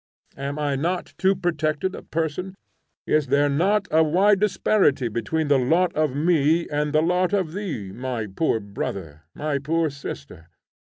Am I not too protected a person? is there not a wide disparity between the lot of me and the lot of thee, my poor brother, my poor sister?